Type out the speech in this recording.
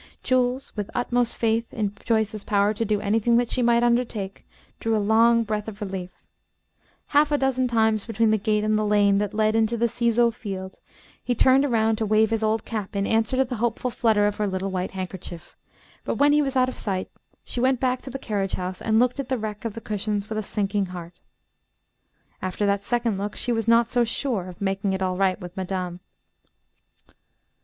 Jules, with utmost faith in Joyce's power to do anything that she might undertake, drew a long breath of relief. Half a dozen times between the gate and the lane that led into the Ciseaux field, he turned around to wave his old cap in answer to the hopeful flutter of her little white handkerchief; but when he was out of sight she went back to the carriage house and looked at the wreck of the cushions with a sinking heart. After that second look, she was not so sure of making it all right with madame.